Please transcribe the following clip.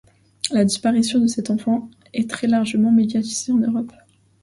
La disparition de cette enfant est très largement médiatisée en Europe.